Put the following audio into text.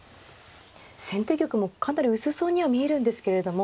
先手玉もかなり薄そうには見えるんですけれども。